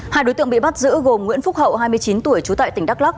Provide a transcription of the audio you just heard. hai đối tượng bị bắt giữ gồm nguyễn phúc hậu hai mươi chín tuổi trú tại tỉnh đắk lắc